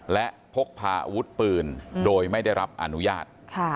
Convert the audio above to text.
และพกพาอาวุธปืนโดยไม่ได้รับอนุญาต